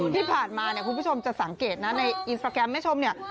ที่ผ่านมาเนี่ยคุณผู้ชมจะสังเกตนะในอินสตราแกรมแม่ชมเนี่ย